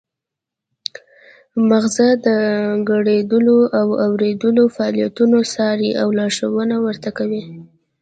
مغزه د ګړیدلو او اوریدلو فعالیتونه څاري او لارښوونه ورته کوي